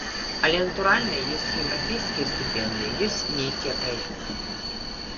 Але, натуральна, ёсць еўрапейскія стыпендыі, ёсць нейкія праекты.